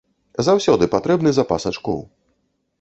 Заўсёды патрэбны запас ачкоў.